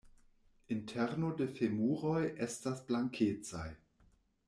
Interno de femuroj estas blankecaj.